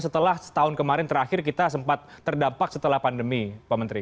setelah setahun kemarin terakhir kita sempat terdampak setelah pandemi pak menteri